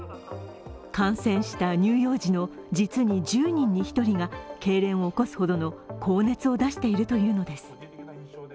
感染した乳幼児の実に１０人に１人がけいれんを起こすほどの高熱を出しているというのです。